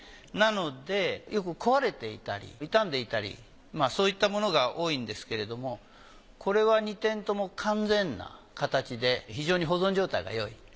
なのでよく壊れていたり傷んでいたりそういったものが多いんですけれどもこれは２点とも完全な形で非常に保存状態がよい。